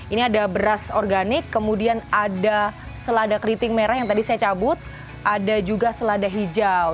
ini ada beras organik kemudian ada selada keriting merah yang tadi saya cabut ada juga selada hijau